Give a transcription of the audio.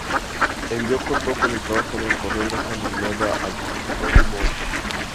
El video contó con el trabajo de la coreógrafa nominada al Emmy, Mandy Moore.